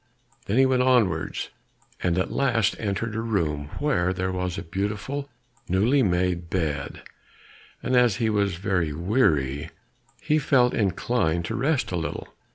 Then he went onwards, and at last entered a room where there was a beautiful newly made bed, and as he was very weary, he felt inclined to rest a little.